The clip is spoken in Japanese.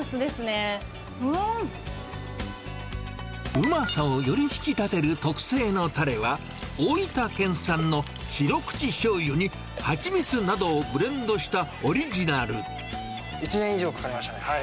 うまさをより引き立てる特製のたれは、大分県産の白口しょうゆに、蜂蜜などをブレンドしたオリジナ１年以上かかりましたね。